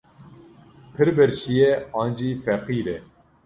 Pir birçî ye an jî feqîr e.